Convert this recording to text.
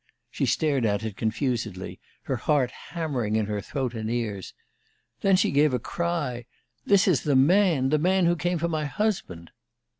She stared at it confusedly, her heart hammering in her throat and ears. Then she gave a cry. "This is the man the man who came for my husband!"